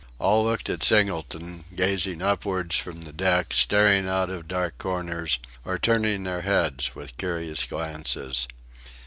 All looked at Singleton, gazing upwards from the deck, staring out of dark corners, or turning their heads with curious glances.